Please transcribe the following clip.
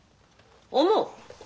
思う。